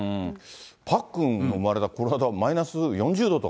パックンの生まれたはマイナス４０度とか。